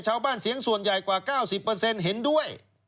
ชาวบ้านเสียงส่วนใหญ่กว่า๙๐เห็นด้วย